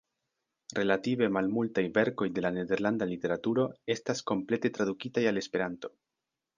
Relative malmultaj verkoj de la nederlanda literaturo estas komplete tradukitaj al Esperanto.